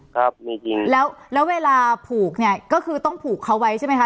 ครับมีจริงแล้วแล้วเวลาผูกเนี่ยก็คือต้องผูกเขาไว้ใช่ไหมคะ